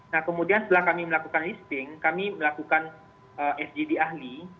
nah kemudian setelah kami melakukan listing kami melakukan sgd ahli